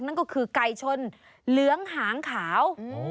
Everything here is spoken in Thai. นั่นก็คือไก่ชนเหลืองหางขาว